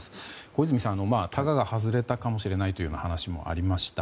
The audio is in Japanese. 小泉さん、タガが外れたかもしれないという話もありました。